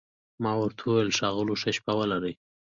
ما ورته وویل: ښاغلو، ښه شپه ولرئ.